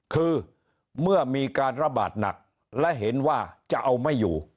คือเมื่อมีการระบาดหนักและเห็นว่าจะเอาไม่อยู่